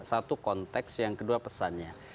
satu konteks yang kedua pesannya